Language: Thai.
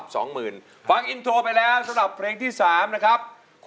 สำหรับเพลงที่สามนะครับ